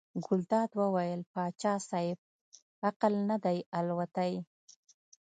ګلداد وویل پاچا صاحب عقل نه دی الوتی.